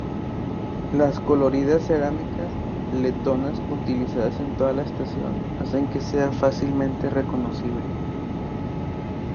Las coloridas cerámicas letonas utilizadas en toda la estación hacen que sea fácilmente reconocible.